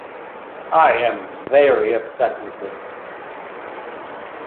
I am very upset with this.